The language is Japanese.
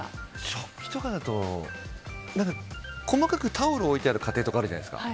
食器とかだと何か細かくタオルを置いてある家庭とかあるじゃないですか。